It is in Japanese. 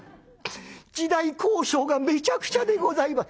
時代考証がめちゃくちゃでございます」。